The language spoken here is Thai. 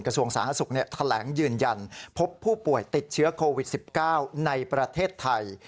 ส่วนสาธารณสุขแถลงยืนยันพบผู้ป่วยติดเชื้อโควิด๑๙ในประเทศไทย